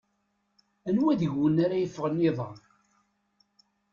Anwa deg-wen ara yeffɣen iḍ-a?